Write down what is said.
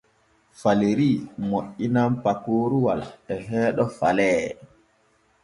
Faleri moƴƴinan pakoroowal e heeɗo Falee.